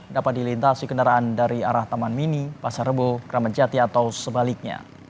dapat dilintasi kendaraan dari arah taman mini pasar rebo kramat jati atau sebaliknya